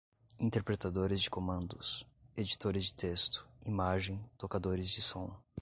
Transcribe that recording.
interpretadores de comandos, editores de texto, imagem, tocadores de som